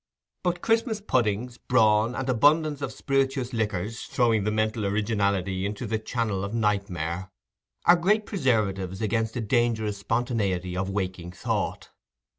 But Christmas puddings, brawn, and abundance of spirituous liquors, throwing the mental originality into the channel of nightmare, are great preservatives against a dangerous spontaneity of waking thought.